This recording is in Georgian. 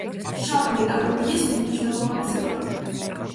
შავი მეტალურგიის უმნიშვნელოვანესი პროდუქტი.